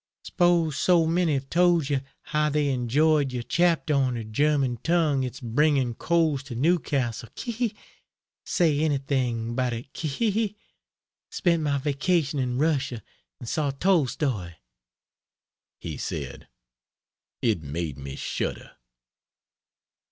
"Spose so many 've told y' how they 'njoyed y'r chapt'r on the Germ' tongue it's bringin' coals to Newcastle Kehe! say anything 'bout it Ke hehe! Spent m' vacation 'n Russia, 'n saw Tolstoi; he said " It made me shudder.